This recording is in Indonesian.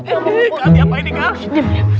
eh ini apaan ini kak